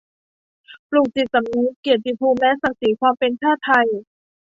ปลูกจิตสำนึกเกียรติภูมิและศักดิ์ศรีความเป็นชาติไทย